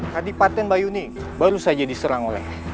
tadi paten bayuni baru saja diserang oleh